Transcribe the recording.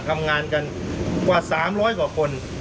ทำงานกันกว่า๓๐๐กว่าคน